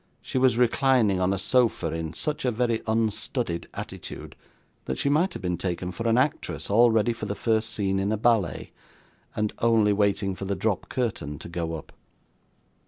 She was reclining on a sofa in such a very unstudied attitude, that she might have been taken for an actress all ready for the first scene in a ballet, and only waiting for the drop curtain to go up.